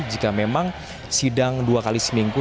jika memang sidang dua kali seminggu